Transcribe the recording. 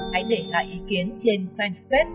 hãy để lại ý kiến trên fanpage